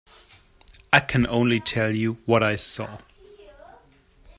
I can only tell you what I saw.